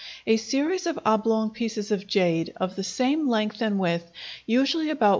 A series of oblong pieces of jade, of the same length and width, usually about 1.